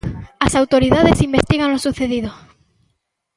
As autoridades investigan o sucedido.